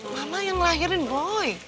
mama yang ngelahirin boy